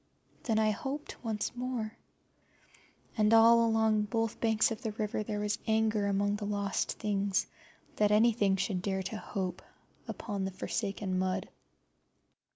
Then I hoped once more, and all along both banks of the river there was anger among the lost things that anything should dare to hope upon the forsaken mud.